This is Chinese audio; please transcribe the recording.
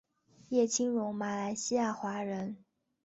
叶清荣马来西亚华人。